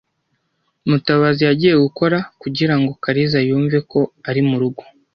Mutabazi yagiye gukora kugirango Kariza yumve ko ari murugo.